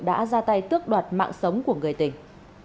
đã ra tay tước đoạt mạng sống của người tỉnh